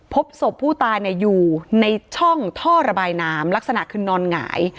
พบศพผู้ตายอยู่ในช่องท่อระบายน้ำลักษณะคือนอนหงาย